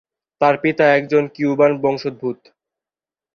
তার পিতা একজন কিউবান বংশোদ্ভূত।